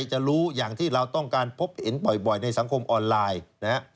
จะรู้อย่างที่เราต้องการพบเห็นบ่อยในสังคมออนไลน์นะฮะ